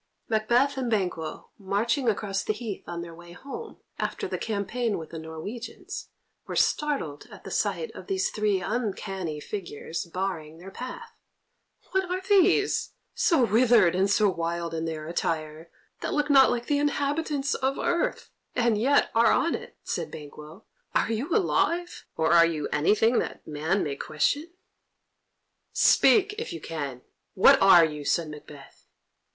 Macbeth and Banquo, marching across the heath on their way home, after the campaign with the Norwegians, were startled at the sight of these three uncanny figures barring their path. "What are these, so withered and so wild in their attire, that look not like the inhabitants of earth, and yet are on it?" said Banquo. "Are you alive? Or are you anything that man may question?" "Speak, if you can; what are you?" said Macbeth.